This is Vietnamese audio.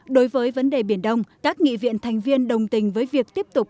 đối với vấn đề biển đông các nghị viện thành viên đồng tình với việc tiếp tục